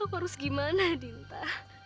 aku harus gimana dinta